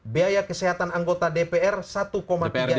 biaya kesehatan anggota dpr satu tiga juta